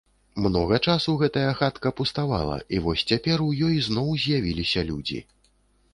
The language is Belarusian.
Многа часу гэтая хатка пуставала, і вось цяпер у ёй зноў з'явіліся людзі.